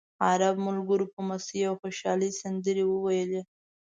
عرب ملګرو په مستۍ او خوشالۍ سندرې وویلې.